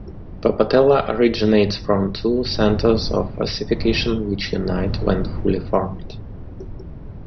The patella originates from two centres of ossification which unite when fully formed.